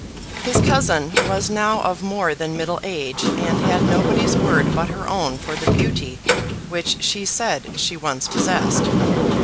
His cousin was now of more than middle age, and had nobody's word but her own for the beauty which she said she once possessed.